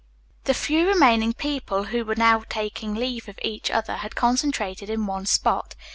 The few remaining people who were now taking leave of each other had concentrated in one spot.